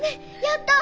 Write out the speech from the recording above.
やった！